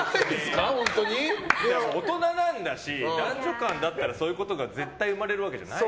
大人なんだし男女間だったらそんなことが絶対生まれるわけじゃない。